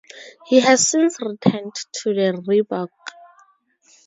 He has since returned to The Reebok.